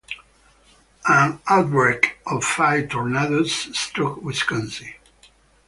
An outbreak of five tornadoes struck Wisconsin.